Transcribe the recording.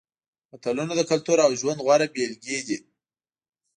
متلونه د کلتور او ژوند غوره بېلګې دي